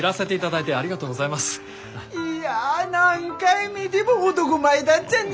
いや何回見ても男前だっちゃね。